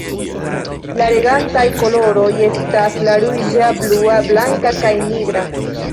La regantaj koloroj estas la ruĝa, blua, blanka kaj nigra.